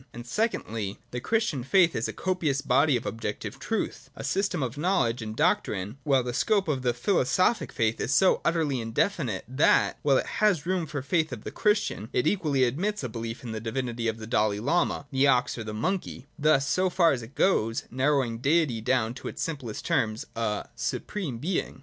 And, secondly, the Christian faith is a copious body of objec tive truth, a system of knowledge and doctrine : while the scope of the philosophic faith is so utterly indefinite, that, while it has room for the faith of the Christian, it equally admits a belief in the divinity of the Dalai lama, the ox, or the monkey, — thus, so far as it goes, narrowing Deity down to its simplest terms, a ' Supreme Being.'